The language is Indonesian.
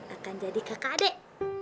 akan jadi kakak adek